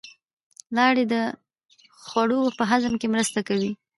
لاړې د خوړو په هضم کې مرسته کوي